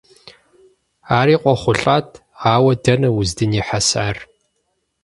Ари къохъулӀат, ауэ дэнэ уздынихьэсар?